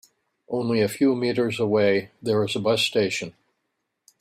Only a few meters away there is a bus station.